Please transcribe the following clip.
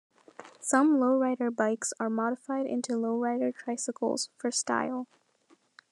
Some lowrider bikes are modified into lowrider tricycles, for style.